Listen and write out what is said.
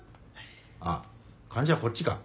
あっ患者はこっちか。